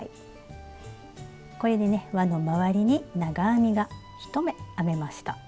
これでねわのまわりに長編みが１目編めました。